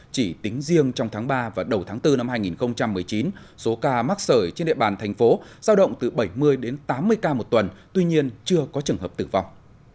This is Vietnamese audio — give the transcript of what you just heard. chỉ tính riêng trong tháng ba và đầu tháng bốn năm hai nghìn một mươi chín số ca mắc sởi trên địa bàn thành phố giao động từ bảy mươi đến tám mươi ca một tuần tuy nhiên chưa có trường hợp tử vong